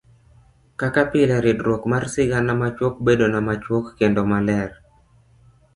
kaka pile ridruok mar sigana machuok bedoga machuok kendo maler.